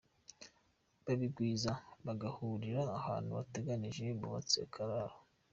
Babigwiza bagahurira ahantu bateganije bubatse akararo.